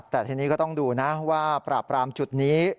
แต่ทีนี้ก็ต้องดูนะว่าปราบรามจุดนี้